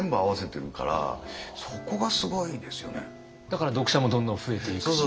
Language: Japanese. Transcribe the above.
だから読者もどんどん増えていくし。